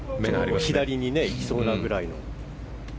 左にいきそうなぐらいの。